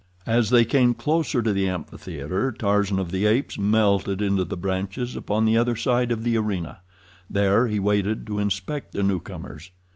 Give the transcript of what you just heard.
As they came closer to the amphitheater Tarzan of the Apes melted into the branches upon the other side of the arena. There he waited to inspect the newcomers.